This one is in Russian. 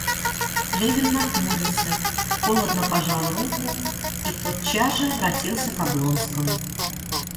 Левин нахмурился, холодно пожал руку и тотчас же обратился к Облонскому.